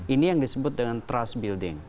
ini yang disebut dengan trust building